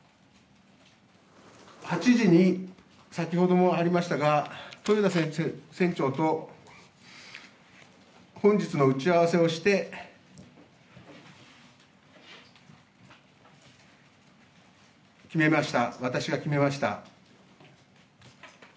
８時に、先ほどもありましたが、豊田船長と、本日の打ち合わせをして、決めました、私が決めました。